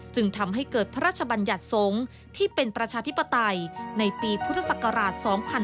จึงทำให้เกิดพระราชบัญญัติสงฆ์ที่เป็นประชาธิปไตยในปีพุทธศักราช๒๕๕๙